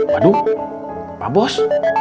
waduh pak bos